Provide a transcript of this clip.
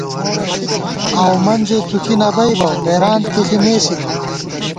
آؤو منزےڅُوکی نہ بَئیبہ، بېرانت کی ݪِی نېسِبہ